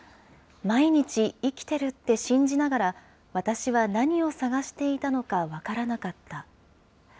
毎日生きてるって信じながら、私は何を探していたのか分からなかった。